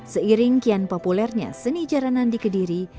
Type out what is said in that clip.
seiring kian populernya seni jaranan di kediri